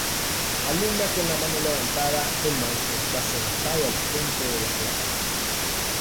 Alumna con la mano levantada; el maestro está sentado al frente de la clase